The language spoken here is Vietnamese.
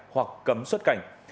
hoặc cấm xuất cảnh